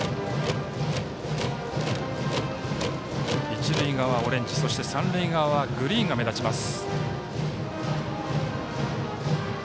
一塁側はオレンジ三塁側はグリーンが目立ちます。